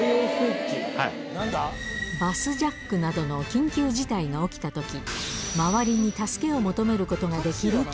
バスジャックなどの緊急事態が起きたとき、周りに助けを求め